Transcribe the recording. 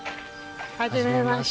はじめまして。